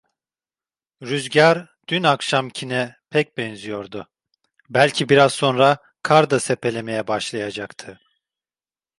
Rüzgâr dün akşamkine pek benziyordu, belki biraz sonra kar da sepelemeye başlayacaktı.